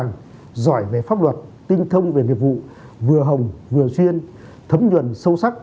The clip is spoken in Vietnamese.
càng giỏi về pháp luật tinh thông về nghiệp vụ vừa hồng vừa xuyên thấm nhuận sâu sắc